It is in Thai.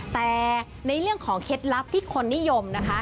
แต่ในเรื่องของเคล็ดลับที่คนนิยมนะคะ